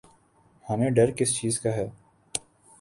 ہمیں ڈر کس چیز کا ہے؟